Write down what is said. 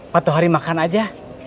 patuhari makan aja